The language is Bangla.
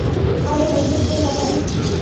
আরে হেলমেট দে না ভাই!